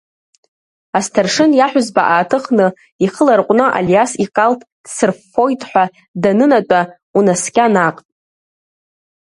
Асҭаршын иаҳәызба ааҭыхны, ихы ларҟәны Алиас икалҭ ҵсырффоит ҳәа данынатәа, унаскьа наҟ!